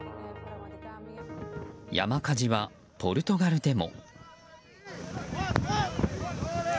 山火事は、ポルトガルでも。